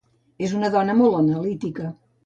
És una dona molt analítica.